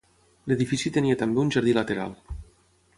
L'edifici tenia també un jardí lateral.